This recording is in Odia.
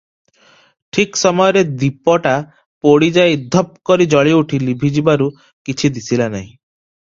ଠିକ୍ ସେ ସମୟରେ ଦୀପଟା ପୋଡ଼ିଯାଇ ଦପ୍ କରି ଜଳିଉଠି ଲିଭିଯିବାରୁ କିଛି ଦିଶିଲା ନାହିଁ ।